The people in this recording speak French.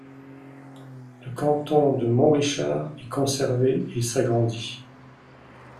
Le canton de Montrichard est conservé et s'agrandit.